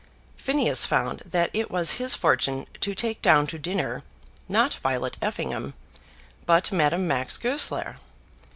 Phineas found that it was his fortune to take down to dinner, not Violet Effingham, but Madame Max Goesler.